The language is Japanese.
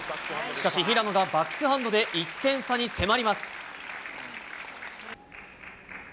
しかし平野がバックハンドで１点差に迫ります。